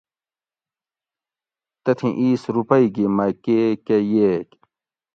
تتھیں اِیس روپئ گی مکے کہ ییگ